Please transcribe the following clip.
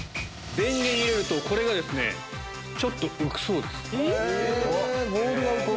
電源入れるとこれがちょっと浮くそうです。